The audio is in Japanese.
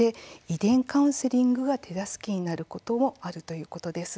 遺伝カウンセリングが手助けになることもあるということです。